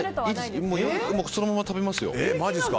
そのまま食べますよ。